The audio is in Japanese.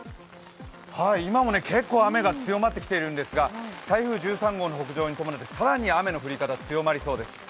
今も結構雨が強まってきているんですが台風１３号の北上に伴って更に雨の降り方強まりそうです。